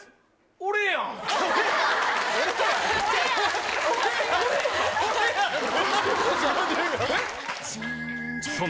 俺やん？